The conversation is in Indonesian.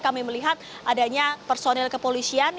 kami melihat adanya personil kepolisian